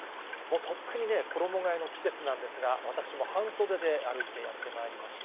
とっくに衣がえの季節なんですが、私も半袖で歩いてやってまいりました。